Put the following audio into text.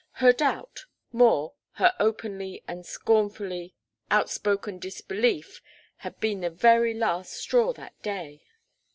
Her doubt more, her openly and scornfully outspoken disbelief had been the very last straw that day.